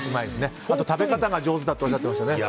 あと食べ方が上手だとおっしゃっていましたね。